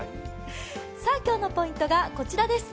今日のポイントがこちらです。